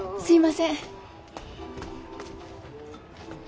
すいません。